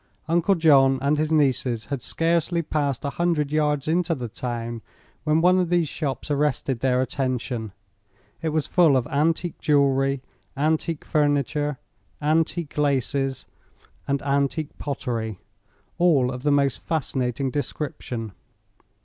Uncle John and his nieces had scarcely passed a hundred yards into the town when one of these shops arrested their attention. It was full of antique jewelry, antique furniture, antique laces and antique pottery all of the most fascinating description.